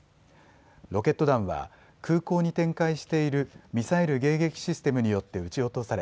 ロケット弾は空港に展開しているミサイル迎撃システムによって撃ち落とされ